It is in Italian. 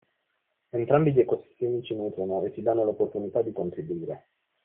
Entrambi gli ecosistemi ci “nutrono” e ci danno l’opportunità di contribuire.